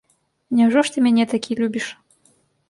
Няўжо ж ты мяне такі любіш?